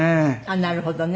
なるほどね。